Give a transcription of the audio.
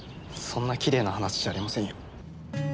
そんなきれいな話じゃありませんよ。